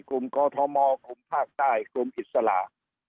กอทมกลุ่มภาคใต้กลุ่มอิสระ